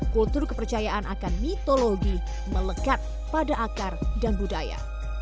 kultur kepercayaan akan mitologi melekat pada akar dan budaya